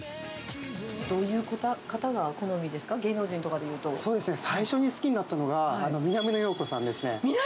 どういう方が好みですか芸能そうですね、最初に好きになったのが、南野陽子さん？